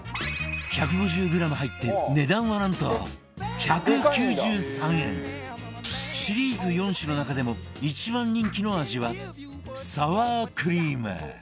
１５０グラム入って値段はなんと１９３円シリーズ４種の中でも一番人気の味はサワークリーム